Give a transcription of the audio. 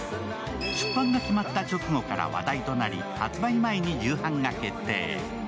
出版が決まった直後から話題となり発売前に重版が決定。